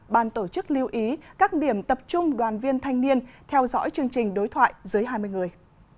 ban tổ chức lưu ý các điểm tập trung đoàn viên thanh niên theo dõi chương trình đối thoại dưới hai mươi người